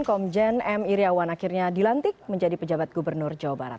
komjen m iryawan akhirnya dilantik menjadi pejabat gubernur jawa barat